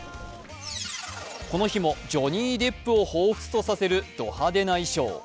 この日もジョニー・デップをほうふつとさせるド派手な衣装。